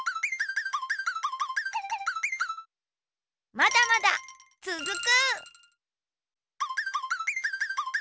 まだまだつづく！